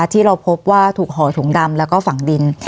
ที่เราพบว่าถูกห่อถุงดำแล้วก็ฝังดิน